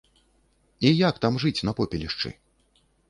І як там жыць на попелішчы?